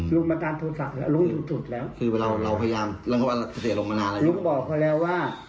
ลุงบอกเขาแล้วว่า